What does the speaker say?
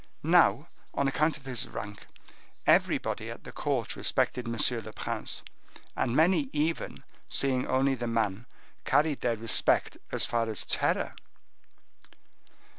Now, on account of his rank, everybody at the court respected M. le Prince, and many even, seeing only the man, carried their respect as far as terror.